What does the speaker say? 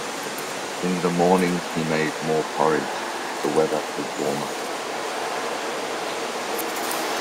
In the morning he made more porridge; the weather was warmer.